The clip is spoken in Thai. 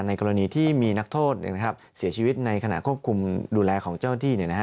กรณีที่มีนักโทษเสียชีวิตในขณะควบคุมดูแลของเจ้าที่